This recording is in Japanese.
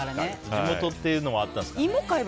地元っていうのもあったんですかね。